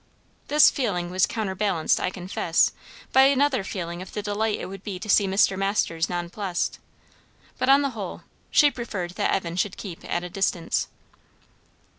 This feeling was counterbalanced, I confess, by another feeling of the delight it would be to see Mr. Masters nonplussed; but on the whole, she preferred that Evan should keep at a distance.